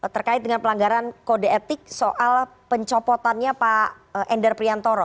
terkait dengan pelanggaran kode etik soal pencopotannya pak endar priantoro